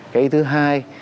cái ý thứ hai